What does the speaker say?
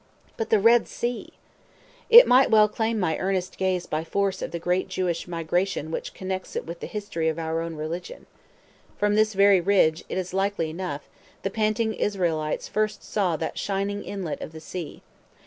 But the Red Sea! It might well claim my earnest gaze by force of the great Jewish migration which connects it with the history of our own religion. From this very ridge, it is likely enough, the panting Israelites first saw that shining inlet of the sea.